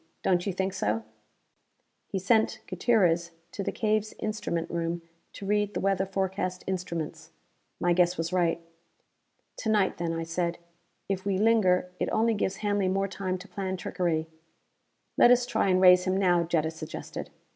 Don't you think so?" He sent Gutierrez to the cave's instrument room to read the weather forecast instruments. My guess was right. "To night then," I said. "If we linger, it only gives Hanley more time to plan trickery." "Let us try and raise him now," Jetta suggested.